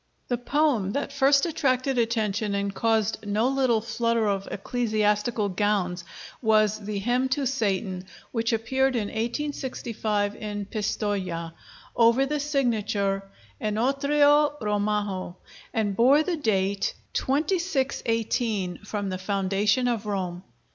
The poem that first attracted attention and caused no little flutter of ecclesiastical gowns was the 'Hymn to Satan,' which appeared in 1865 in Pistoja, over the signature "Enotrio Romaho," and bore the date "MMDCXVIII from the foundation of Rome."